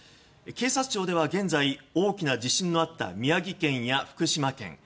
警察庁では現在大きな地震があった宮城県や福島県。